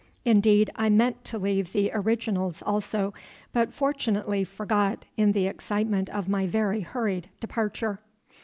Indeed, I meant to leave the originals also, but fortunately forgot in the excitement of my very hurried departure."